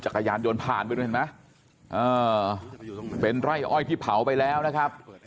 จักรยานยนต์ผ่านไปด้วยเห็นไหมเป็นไร่อ้อยที่เผาไปแล้วนะครับ